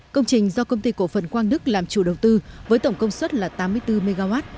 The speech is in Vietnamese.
công trình do công ty cổ phần quang đức làm chủ đầu tư với tổng công suất là tám mươi bốn mw